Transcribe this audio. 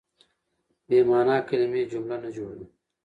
بې مانا کیلمې جمله نه جوړوي.